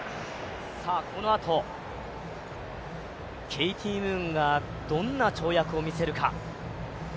このあと、ケイティ・ムーンがどんな跳躍を見せるか。